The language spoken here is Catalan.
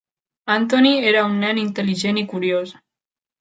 Anthony era un nen intel·ligent i curiós.